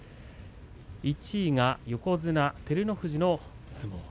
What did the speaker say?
１位は横綱照ノ富士の相撲。